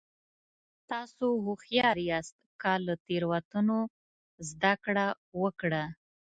تاسو هوښیار یاست که له تېروتنو زده کړه وکړه.